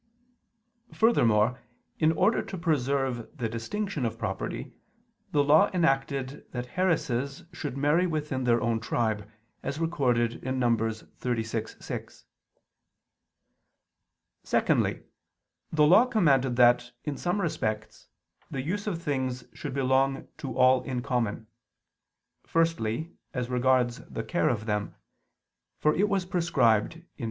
Furthermore, in order to preserve the distinction of property, the Law enacted that heiresses should marry within their own tribe, as recorded in Num. 36:6. Secondly, the Law commanded that, in some respects, the use of things should belong to all in common. Firstly, as regards the care of them; for it was prescribed (Deut.